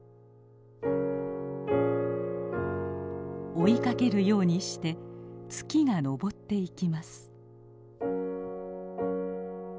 追いかけるようにして月が昇っていきます。